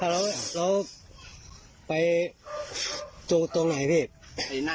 เราไปตรงไหนพี่